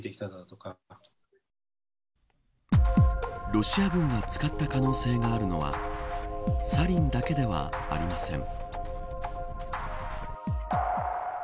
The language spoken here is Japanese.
ロシア軍が使った可能性があるのはサリンだけではありません。